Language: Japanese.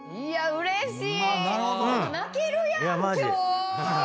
うれしい。